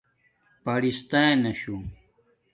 پرستاناشُو